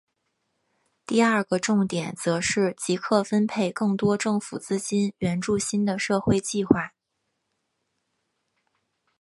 第二个重点则是即刻分配更多政府资金援助新的社会计画。